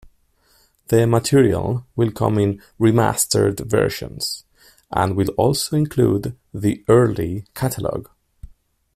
The material will come in remastered versions and will also include the early catalogue.